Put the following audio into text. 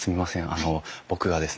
あの僕がですね